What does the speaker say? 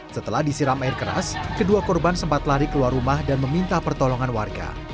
setelah disiram air keras kedua korban sempat lari keluar rumah dan meminta pertolongan warga